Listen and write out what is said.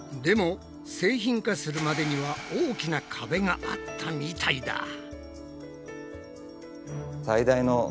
でも製品化するまでには大きな壁があったみたいだ。